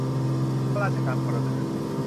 ข้าราชการพลเรือน